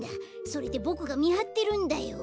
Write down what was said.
それでボクがみはってるんだよ。